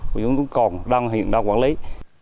chúng tôi còn đang hiện đang quản lý